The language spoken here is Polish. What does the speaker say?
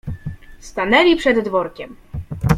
Stanęli przed dworkiem.